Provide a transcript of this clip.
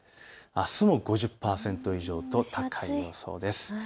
あすも５０％以上と高い予想です。